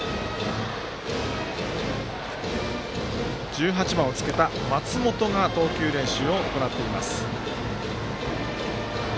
１８番をつけた松元が投球練習を行っています。